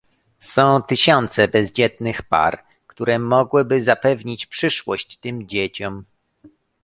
Są tysiące bezdzietnych par, które mogłyby zapewnić przyszłość tym dzieciom